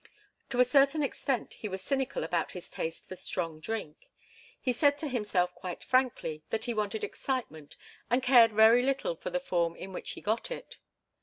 To a certain extent he was cynical about his taste for strong drink. He said to himself quite frankly that he wanted excitement and cared very little for the form in which he got it.